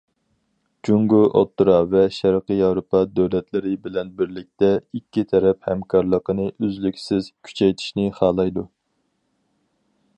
جۇڭگو ئوتتۇرا ۋە شەرقىي ياۋروپا دۆلەتلىرى بىلەن بىرلىكتە ئىككى تەرەپ ھەمكارلىقىنى ئۈزلۈكسىز كۈچەيتىشنى خالايدۇ.